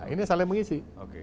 ini saling mengisi